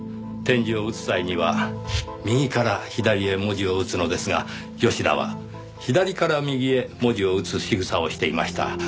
点字を打つ際には右から左へ文字を打つのですが吉田は左から右へ文字を打つしぐさをしていました。